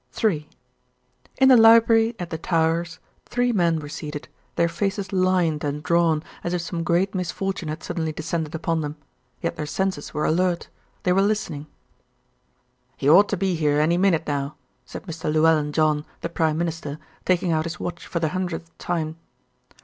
III In the library at The Towers three men were seated, their faces lined and drawn as if some great misfortune had suddenly descended upon them; yet their senses were alert. They were listening. "He ought to be here any minute now," said Mr. Llewellyn John, the Prime Minister, taking out his watch for the hundredth time.